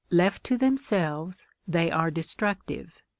Left to themselves they are destructive.